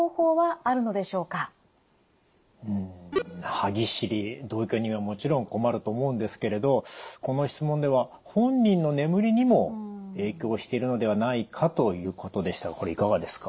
歯ぎしり同居人はもちろん困ると思うんですけれどこの質問では本人の眠りにも影響しているのではないかということでしたがこれいかがですか？